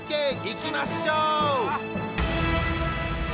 いきましょう。